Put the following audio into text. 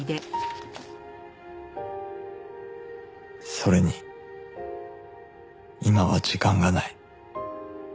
それに今は時間がない